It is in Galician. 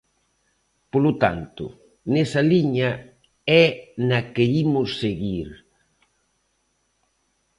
Polo tanto, nesa liña é na que imos seguir.